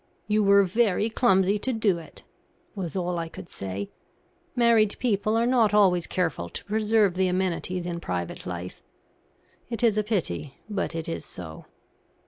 "You were very clumsy to do it," was all I could say. Married people are not always careful to preserve the amenities in private life. It is a pity, but it is so.